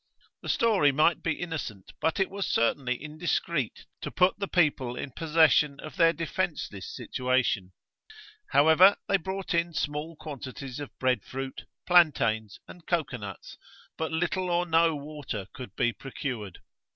The story might be innocent, but it was certainly indiscreet to put the people in possession of their defenceless situation; however, they brought in small quantities of bread fruit, plantains, and cocoa nuts, but little or no water could be procured.